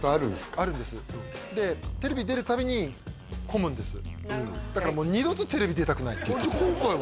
あるんですでテレビ出るたびに混むんですだからもう二度とテレビ出たくないって言っててじゃあ今回は？